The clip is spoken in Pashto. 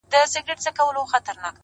ورځه ویده سه موږ به څرک د سبا ولټوو؛؛!